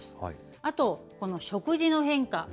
あとこの食事の変化。